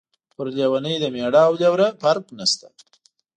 په لیونۍ د مېړه او لېوره فرق نشته.